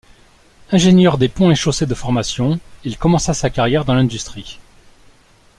Ingénieur des Ponts et Chaussées de formation, il commença sa carrière dans l'industrie.